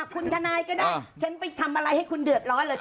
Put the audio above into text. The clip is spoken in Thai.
คุณทนายก็ได้ฉันไปทำอะไรให้คุณเดือดร้อนเหลือเกิน